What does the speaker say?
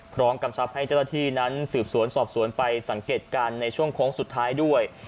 กำชับให้เจ้าหน้าที่นั้นสืบสวนสอบสวนไปสังเกตการณ์ในช่วงโค้งสุดท้ายด้วย